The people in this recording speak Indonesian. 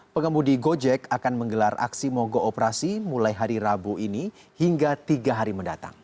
pengemudi gojek akan menggelar aksi mogok operasi mulai hari rabu ini hingga tiga hari mendatang